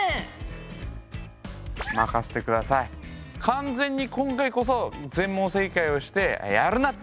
完全に今回こそ全問正解をして「やるな！」ってところをね